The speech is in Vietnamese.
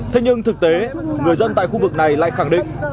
thế nhưng thực tế người dân tại khu vực này lại khẳng định